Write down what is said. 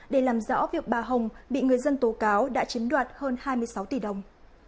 để làm rõ việc bà hồng bị người dân tố cáo đã chiếm đoạt hơn hai mươi sáu tỷ đồng